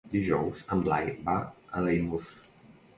Dijous en Blai va a Daimús.